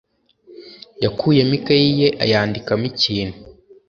yakuyemo ikaye ye ayandikamo ikintu.